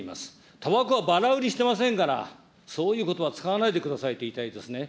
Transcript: たばこはばら売りしてませんから、そういうことば使わないでくださいと言いたいですね。